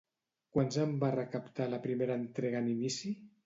Quants en va recaptar la primera entrega en inici?